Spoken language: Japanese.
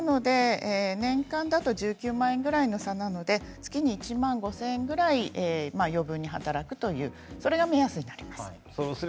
年間だと１９万円くらいの差なので月に１万５０００円くらい余分に働くというそれが目安になります。